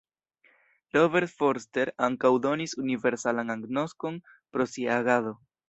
Robert Forster ankaŭ donis universalan agnoskon pro sia agado.